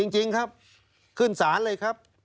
จริงครับขึ้นศาลเลยครับ